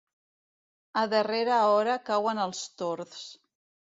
A darrera hora cauen els tords.